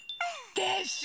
でしょ！